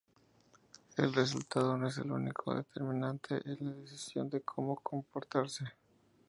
El resultado no es el único determinante en la decisión de cómo comportarse.